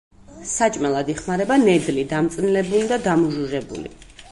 საჭმელად იხმარება ნედლი, დამწნილებული და დამუჟუჟებული.